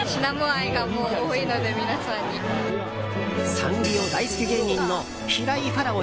サンリオ大好き芸人の平井“ファラオ”